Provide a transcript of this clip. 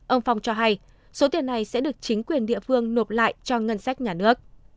ông phong cho hay số tiền này sẽ được chính quyền địa phương nộp lại cho ngân sách nhà nước